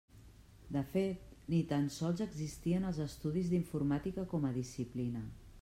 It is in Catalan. De fet, ni tan sols existien els estudis d'Informàtica com a disciplina.